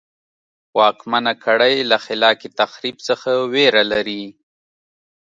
واکمنه کړۍ له خلاق تخریب څخه وېره لري.